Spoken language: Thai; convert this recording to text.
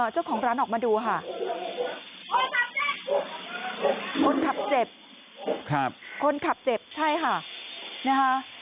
เจ้าของร้านออกมาดูค่ะคนขับเจ็บใช่ค่ะ